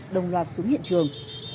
đồng loạt xuống hiện trường